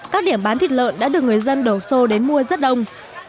các điểm bán thịt lợn đã được người dân đổ xô đến mua rất đông